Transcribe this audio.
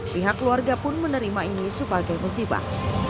pihak keluarga pun menerima ini sebagai musibah